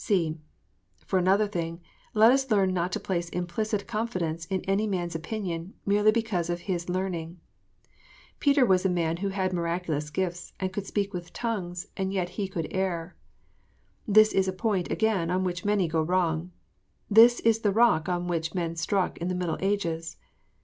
(c) For another thing, let us learn not to place implicit con fidence in any man s opinion, merely because of his learning. Peter was a man who had miraculous gifts, and could speak with tongues, and yet he could err. This is a point, again, on which many go wrong. This is the rock on which men struck in the middle ages.